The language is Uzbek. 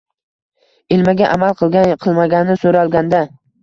ilmiga amal qilgan-qilmagani so'ralganda